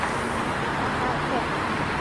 卡那刻。